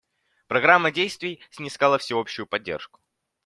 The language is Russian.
Программа действий снискала всеобщую поддержку.